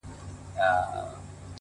پرمختګ د ځان له ماتولو پیلېږي